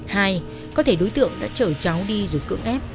hai có thể đối tượng đã chở cháu đi rồi cưỡng ép